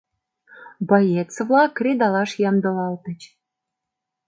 Боец-влак кредалаш ямдылалтыч.